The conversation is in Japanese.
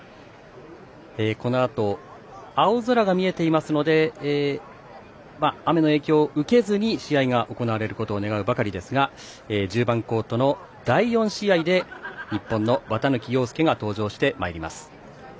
このあと青空が見えていますので雨の影響を受けずに試合が行われることを願うばかりですが１０番コートの第４試合で日本の綿貫陽介が登場してまいります。